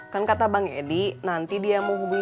kan kata bang edi nanti dia mau hubungin saya